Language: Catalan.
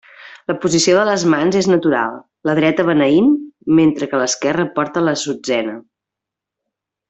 La posició de les mans és natural, la dreta beneint mentre que l'esquerra porta l'assutzena.